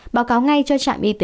báo cáo ngay cho trạm y tế kịp thời